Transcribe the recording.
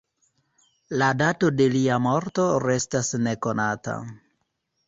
La dato de lia morto restas nekonata.